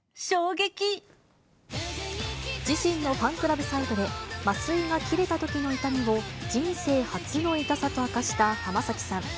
自身のファンクラブサイトで、麻酔が切れたときの痛みを、人生初の痛さと明かした浜崎さん。